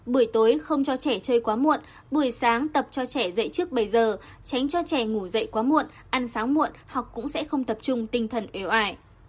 buổi tối không cho trẻ chơi quá muộn buổi sáng tập cho trẻ dạy trước bảy giờ tránh cho trẻ ngủ dậy quá muộn ăn sáng muộn học cũng sẽ không tập trung tinh thần ếo ải